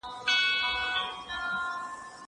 شيان د پلورونکي له خوا پلورل کيږي!!